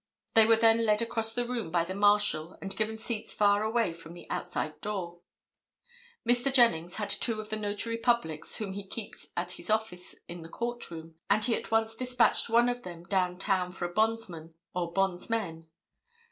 They were then led across the room by the Marshal and given seats far away from the outside door. Mr. Jennings had two of the Notary Publics whom he keeps at his office in the court room, and he at once dispatched one of them down town for a bondsman or bondsmen.